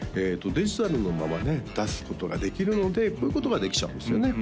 デジタルのまま出すことができるのでこういうことができちゃうんですよね